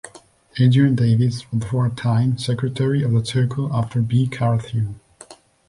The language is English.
Adrian Davies was for a time secretary of the Circle after Bee Carthew.